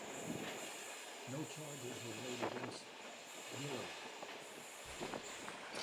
No charges were laid against Gillard.